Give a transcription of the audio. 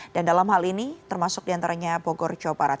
dan dalam hal ini termasuk diantaranya bogor jawa barat